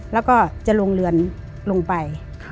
แล้วก็จะลงเรือนลงไป